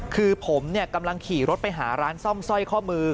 คือผมกำลังขี่รถไปหาร้านซ่อมสร้อยข้อมือ